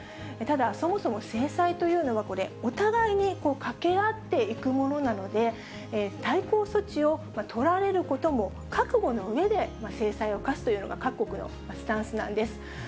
ただ、そもそも制裁というのは、これ、お互いにかけ合っていくものなので、対抗措置を取られることも覚悟のうえで制裁を科すというのが各国のスタンスなんです。